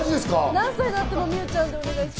何歳になっても、望結ちゃんでお願いします。